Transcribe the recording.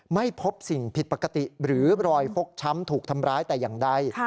ไม่พบสิ่งผิดปกติหรือรอยฟกช้ำถูกทำร้ายแต่อย่างใด